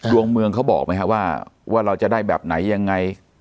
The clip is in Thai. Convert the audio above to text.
ดวงเมืองเขาบอกไหมครับว่าเราจะได้แบบไหนยังไง